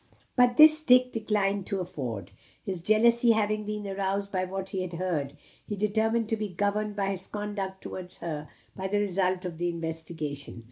But this Dick declined to afford. His jealousy having been roused by what he had heard, he determined to be governed in his conduct towards her by the result of the investigation.